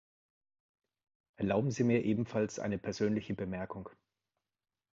Erlauben Sie mir ebenfalls eine persönliche Bemerkung.